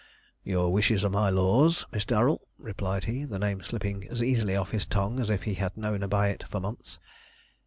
"Your wishes are my laws, Miss Darrel," replied he, the name slipping as easily off his tongue as if he had known her by it for months.